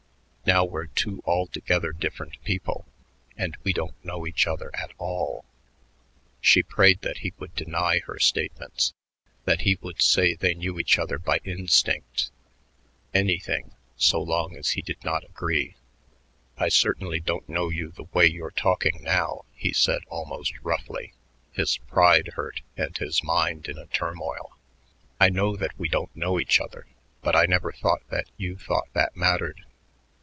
Now we're two altogether different people; and we don't know each other at all." She prayed that he would deny her statements, that he would say they knew each other by instinct anything, so long as he did not agree. "I certainly don't know you the way you're talking now," he said almost roughly, his pride hurt and his mind in a turmoil. "I know that we don't know each other, but I never thought that you thought that mattered."